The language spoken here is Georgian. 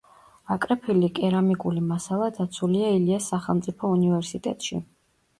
აკრეფილი კერამიკული მასალა დაცულია ილიას სახელმწიფო უნივერსიტეტში.